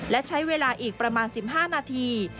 และใช้เวลาอีกประมาณ๑๕นาที